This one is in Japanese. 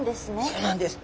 そうなんです。